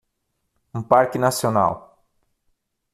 um parque nacional